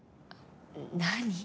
何？